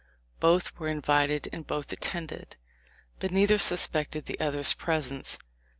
Both were invited and both attended ; but neither suspected the other's pres ence.